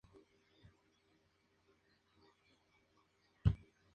Sus costas pertenecen a la provincia de Guanacaste.